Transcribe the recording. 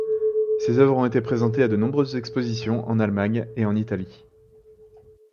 Ses œuvres ont été présentées à de nombreuses expositions en Allemagne et en Italie.